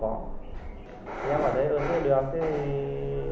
thì em ở đây ứng hơi được thì đặt cho anh bình như cái này bình như cái kia